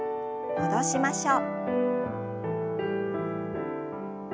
戻しましょう。